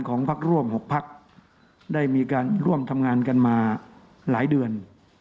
พักร่วม๖พักได้มีการร่วมทำงานกันมาหลายเดือน